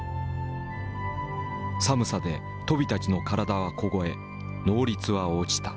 寒さで鳶たちの体は凍え能率は落ちた。